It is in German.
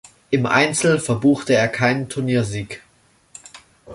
Im Einzel verbuchte er keinen Turniersieg.